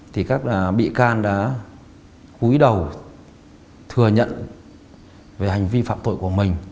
thì các bị can đã cúi đầu thừa nhận về hành vi phạm tội của mình